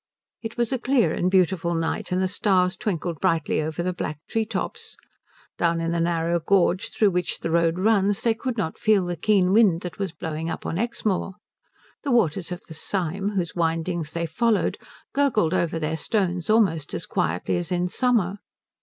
It was a clear and beautiful night, and the stars twinkled brightly over the black tree tops. Down in the narrow gorge through which the road runs they could not feel the keen wind that was blowing up on Exmoor. The waters of the Sym, whose windings they followed, gurgled over their stones almost as quietly as in summer.